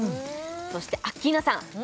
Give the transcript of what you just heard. そしてアッキーナさん